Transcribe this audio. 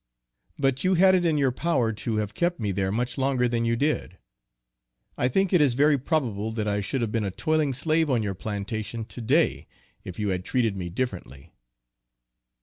But you had it in your power to have kept me there much longer than you did. I think it is very probable that I should have been a toiling slave on your plantation to day, if you had treated me differently.